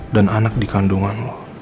dan anak dikandungan lo